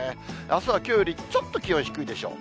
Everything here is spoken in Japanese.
あすはきょうより、ちょっと気温低いでしょう。